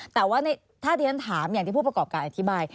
แต่ว่าถ้าที่ฉันถามอย่างที่ผู้ประกอบการอธิบาย